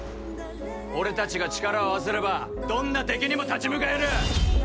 俺たちが力を合わせれば、どんな敵にも立ち向かえる。